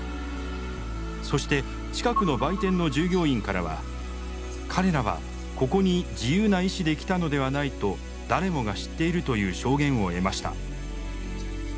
そして近くの売店の従業員からは「彼らはここに自由な意思で来たのではないと誰もが知っている」という証言を得ました。